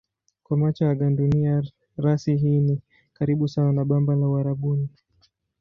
Kwa macho ya gandunia rasi hii ni karibu sawa na bamba la Uarabuni.